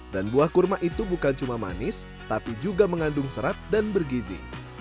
dan buah kurma itu bukan cuma manis tapi juga mengandung serat dan bergizi